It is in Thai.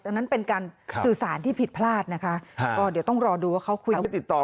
ดังนั้นเป็นการสื่อสารที่ผิดพลาดนะคะก็เดี๋ยวต้องรอดูว่าเขาคุย